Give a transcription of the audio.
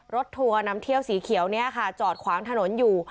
ทัวร์นำเที่ยวสีเขียวเนี่ยค่ะจอดขวางถนนอยู่